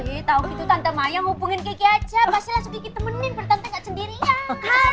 iii tau gitu tante mayang ngomongin kiki aja pasti langsung kiki temenin berarti tante gak sendirian